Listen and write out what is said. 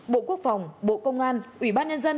bộ quốc phòng bộ công an ủy ban nhân dân